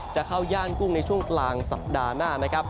จะเข้าย่านกุ้งในช่วงกลางสัปดาห์หน้านะครับ